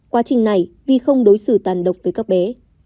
quá trình này vi không đối xử tàn độc với các bé